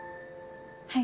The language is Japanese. はい。